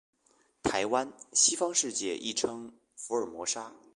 台湾，西方世界亦称福尔摩沙。